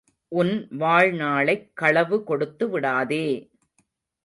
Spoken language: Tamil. உன் வாழ்நாளைக் களவு கொடுத்து விடாதே!